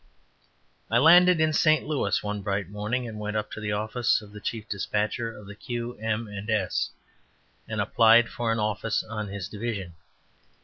I landed in St. Louis one bright morning and went up to the office of the chief despatcher of the Q. M. & S., and applied for an office on his division.